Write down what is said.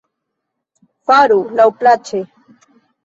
Faru laŭplaĉe!